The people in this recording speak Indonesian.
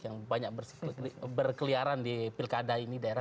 yang banyak berkeliaran di pilkada ini daerah